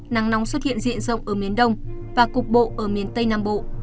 nắng nóng xuất hiện diện rộng ở miền đông và cục bộ ở miền tây nam bộ